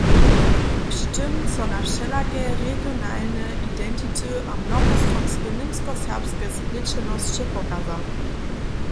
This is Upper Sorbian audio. Při tym so na wšelake regionalne identity a mnohostronske němsko-serbske splećenosće pokaza.